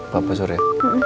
bapak sore ya